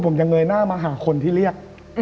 ผมจะเงยหน้ามาหาคนที่เรียก